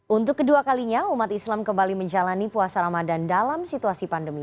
untuk kedua kalinya umat islam kembali menjalani puasa ramadan dalam situasi pandemi